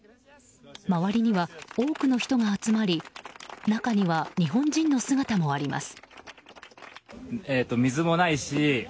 周りには多くの人が集まり中には日本人の姿もあります。